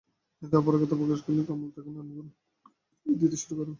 এতে অপারগতা প্রকাশ করলে কামাল তাঁকে নানা ধরনের হুমকি দিতে শুরু করেন।